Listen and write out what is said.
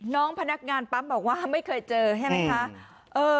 น้องพนักงานปั๊มบอกว่าไม่เคยเจอใช่ไหมคะ